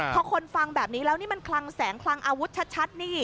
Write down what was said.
พอคนฟังแบบนี้แล้วนี่มันคลังแสงคลังอาวุธชัดนี่